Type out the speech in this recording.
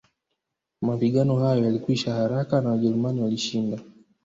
Mapigano hayo yalikwisha haraka na Wajerumani walishinda